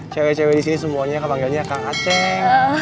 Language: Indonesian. cewek cewek disini semuanya kan panggilnya kang aceh